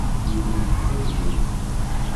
Yurew-d tamellalt.